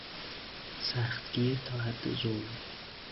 سختگیر تا حد ظلم